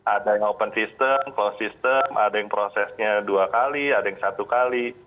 ada yang open system closed system ada yang prosesnya dua kali ada yang satu kali